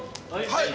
はい！